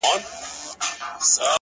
اې د هند بُتپرستو سترگورې!